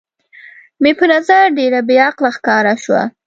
مې په نظر ډېره بې عقله ښکاره شول.